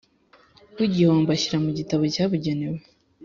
w igihombo ashyira mu gitabo cyabugenewe